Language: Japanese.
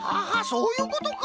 そういうことか！